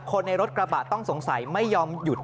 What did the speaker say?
คนในรถกระบะต้องสงสัยไม่ยอมหยุด